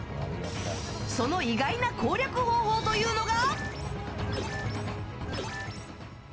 その意外な攻略方法というのが。